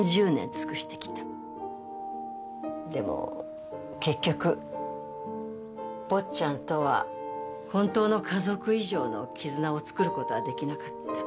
でも結局坊ちゃんとは本当の家族以上の絆を作る事は出来なかった。